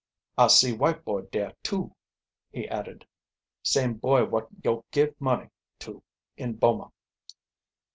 "I see white boy dare too," he added. "Same boy wot yo' give money to in Boma."